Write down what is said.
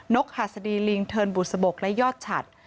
กหัสดีลิงเทินบุษบกและยอดฉัด